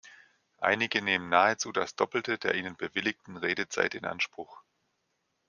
Einige nehmen nahezu das Doppelte der ihnen bewilligten Redezeit in Anspruch.